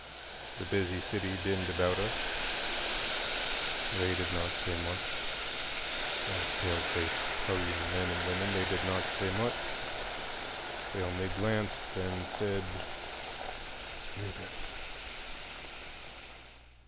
The busy city dinned about us; they did not say much, those pale faced hurrying men and women; they did not say much,—they only glanced and said, "Niggers!"